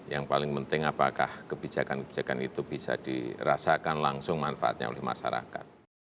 yang paling penting apakah kebijakan kebijakan itu bisa dirasakan langsung manfaatnya oleh masyarakat